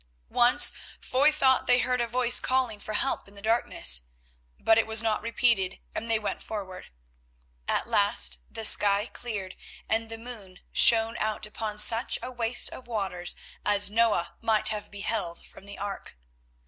Once Foy thought that he heard a voice calling for help in the darkness, but it was not repeated and they went forward. At last the sky cleared and the moon shone out upon such a waste of waters as Noah might have beheld from the ark.